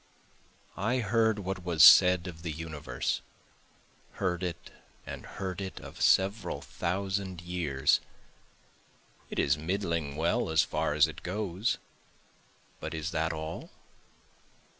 I heard what was said of the universe, Heard it and heard it of several thousand years; It is middling well as far as it goes but is that all?